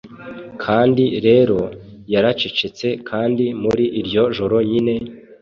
Kandi rero yaracecetse, kandi muri iryo joro nyine,